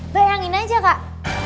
bayangin aja kak